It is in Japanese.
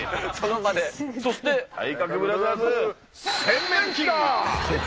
そして、体格ブラザーズ洗面器だ。